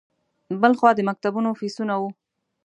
بل خوا د مکتبونو فیسونه وو.